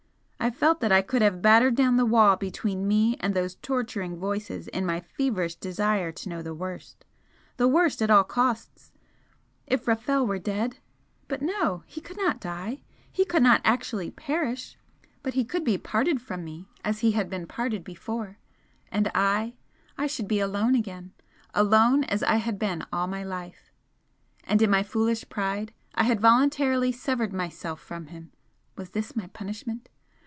I felt that I could have battered down the wall between me and those torturing voices in my feverish desire to know the worst the worst at all costs! If Rafel were dead but no! he could not die! He could not actually perish but he could be parted from me as he had been parted before and I I should be alone again alone as I had been all my life! And in my foolish pride I had voluntarily severed myself from him! was this my punishment?